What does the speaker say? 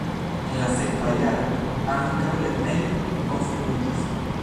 En la sekva jaro ankaŭ lernejo konstruiĝis.